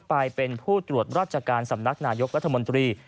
ไปเป็นผู้ตรวจราชการสำนักนายกรัฐมนตรี